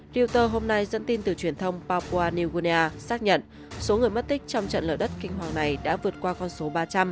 reuters hôm nay dẫn tin từ truyền thông papua new guinea xác nhận số người mất tích trong trận lợi đất kinh hoàng này đã vượt qua con số ba trăm linh